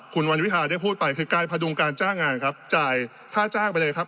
คุณวันวิพาได้พูดไปคือกายพดุงการจ้างงานครับจ่ายค่าจ้างไปเลยครับ